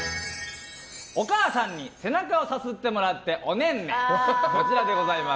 お母さんに背中をさすってもらっておねんね。